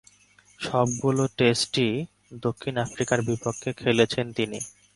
সবগুলো টেস্টই দক্ষিণ আফ্রিকার বিপক্ষে খেলেছিলেন তিনি।